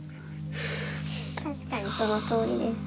確かにそのとおりです。